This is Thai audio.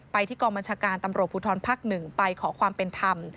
ที่กองบัญชาการตำรวจภูทรภักดิ์๑ไปขอความเป็นธรรม